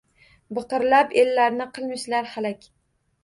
Biqirlab, ellarni qilmishdir halak.